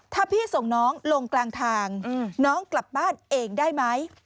ถ้าพี่ส่งน้องลงกลางทางน้องกลับบ้านเองได้ไหม